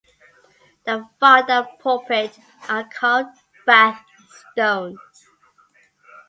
The font and pulpit are carved Bath stone.